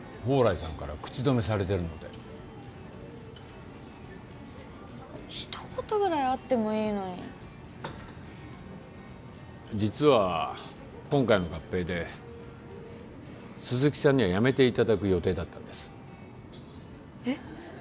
宝来さんから口止めされてるので一言ぐらいあってもいいのに実は今回の合併で鈴木さんには辞めていただく予定だったんですえっ？